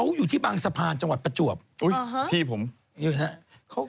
อุ๊ยพี่ผมอยู่ไหนอ๊ะฮะ